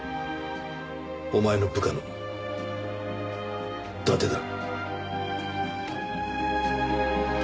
お前の部下の伊達だ。